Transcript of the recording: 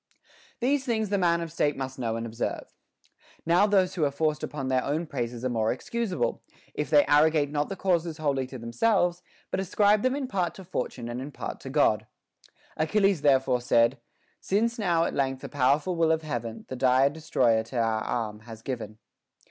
11. These things the man of state must know and ob serve. Now those who are forced upon their own praises are the more excusable, if they arrogate not the causes wholly to themselves, but ascribe them in part to Fortune and in part to God. Achilles therefore said : Since now at length the powerful will of heaven The dire destroyer to our arm has given.